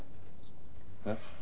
えっ？